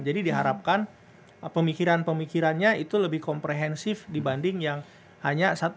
diharapkan pemikiran pemikirannya itu lebih komprehensif dibanding yang hanya satu